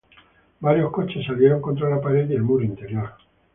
Varios coches salieron contra la pared y el muro interior.